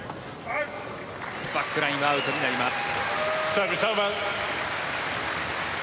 バックラインはアウトになります。